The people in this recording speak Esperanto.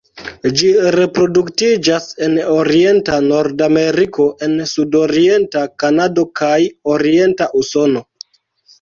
Ĝi reproduktiĝas en orienta Nordameriko en sudorienta Kanado kaj orienta Usono.